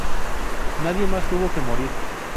Nadie más tuvo que morir.